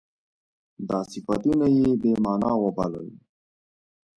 دا صفتونه یې بې معنا وبلل.